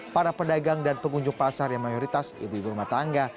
para pedagang dan pengunjung pasar yang mayoritas ibu ibu rumah tangga